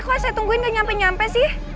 pokoknya saya tungguin gak nyampe nyampe sih